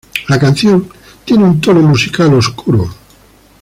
La canción tiene un tono musical oscuro.